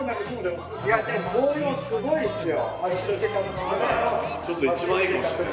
いやでも紅葉すごいですよ。